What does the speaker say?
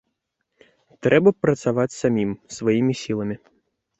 Трэба працаваць самім, сваімі сіламі.